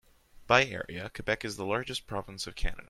By area, Quebec is the largest province of Canada.